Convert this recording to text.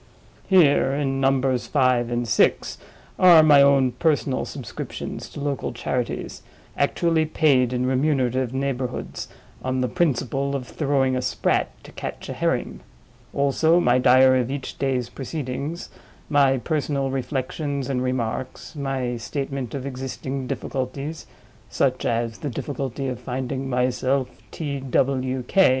Here, in Numbers Five and Six, are my own personal subscriptions to local charities, actually paid in remunerative neighborhoods, on the principle of throwing a sprat to catch a herring; also, my diary of each day's proceedings, my personal reflections and remarks, my statement of existing difficulties (such as the difficulty of finding myself T. W. K.